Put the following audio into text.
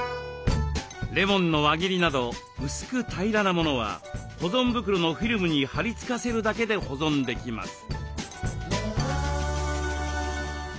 レモンの輪切りなど薄く平らなものは保存袋のフィルムにはり付かせるだけで保存できます。